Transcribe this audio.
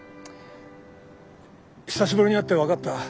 久しぶりに会って分かった。